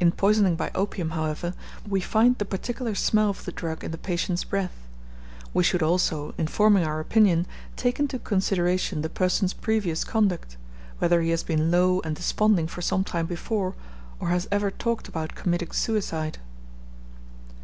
In poisoning by opium, however, we find the particular smell of the drug in the patient's breath. We should also, in forming our opinion, take into consideration the person's previous conduct whether he has been low and desponding for some time before, or has ever talked about committing suicide.